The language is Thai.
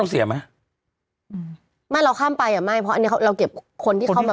เสียไหมอืมไม่เราข้ามไปอ่ะไม่เพราะอันนี้เราเก็บคนที่เข้ามา